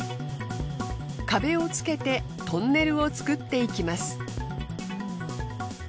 壁をつけてトンネルを造っていきます。